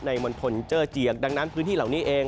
มณฑลเจอร์เจียงดังนั้นพื้นที่เหล่านี้เอง